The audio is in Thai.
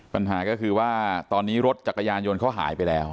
ปัญหาก็คือว่าตอนนี้รถจักรยานยนต์เขาหายไปแล้ว